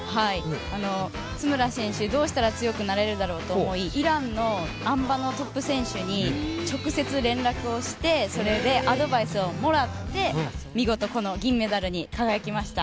津村選手、どうしたら強くなれるだろうと思いイランのあん馬のトップ選手に直接連絡をしてそれで、アドバイスをもらって見事この銀メダルに輝きました。